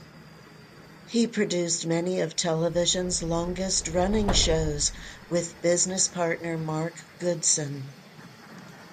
He produced many of television's longest running shows with business partner Mark Goodson.